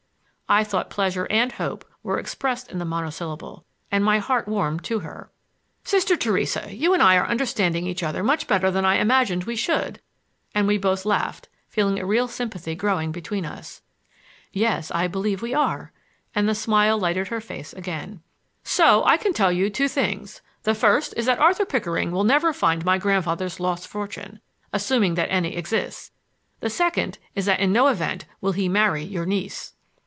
I thought pleasure and hope were expressed in the monosyllable, and my heart warmed to her. "Sister Theresa, you and I are understanding each other much better than I imagined we should,"—and we both laughed, feeling a real sympathy growing between us. "Yes; I believe we are,"—and the smile lighted her face again. "So I can tell you two things. The first is that Arthur Pickering will never find my grandfather's lost fortune, assuming that any exists. The second is that in no event will he marry your niece."